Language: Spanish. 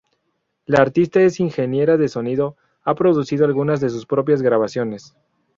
La artista es Ingeniera de Sonido, ha producido algunas de sus propias grabaciones.